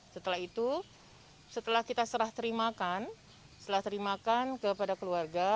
setelah itu setelah kita serah terimakan serah terimakan kepada keluarga